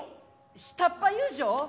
下っ端遊女？